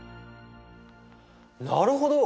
なるほど。